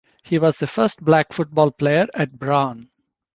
He was the first black football player at Brown.